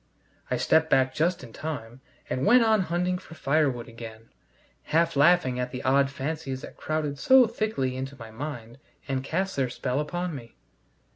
I stepped back just in time, and went on hunting for firewood again, half laughing at the odd fancies that crowded so thickly into my mind and cast their spell upon me.